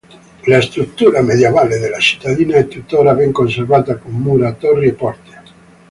La struttura medievale della cittadina è tuttora ben conservata, con mura, torri e porte.